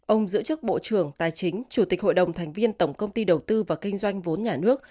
ông giữ chức bộ trưởng tài chính chủ tịch hội đồng thành viên tổng công ty đầu tư và kinh doanh vốn nhà nước